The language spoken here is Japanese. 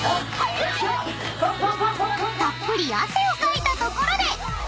［たっぷり汗をかいたところで］